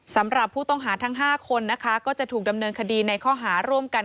สำหรับผู้ต้องหาทั้ง๕คนนะคะก็จะถูกดำเนินคดีในข้อหาร่วมกัน